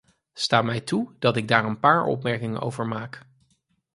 Sta mij toe dat ik daar een paar opmerkingen over maak.